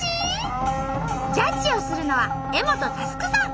ジャッジをするのは柄本佑さん！